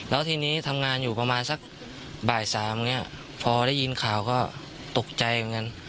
แล้วทีนี้ทำงานอยู่ประมาณสักบ่ายสามเนี่ยพอได้ยินข่าวก็ตกใจเหมือนกัน